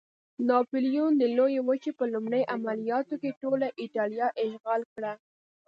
ناپلیون د لویې وچې په لومړي عملیاتو کې ټوله اېټالیا اشغال کړه.